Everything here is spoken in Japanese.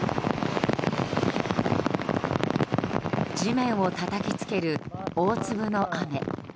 地面をたたきつける大粒の雨。